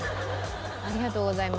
ありがとうございます。